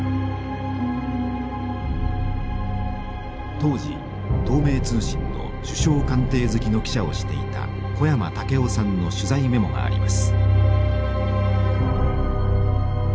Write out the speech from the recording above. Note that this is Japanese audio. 当時同盟通信の首相官邸付きの記者をしていた小山武夫さんの取材メモがあります。